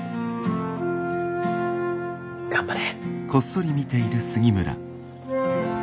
頑張れ。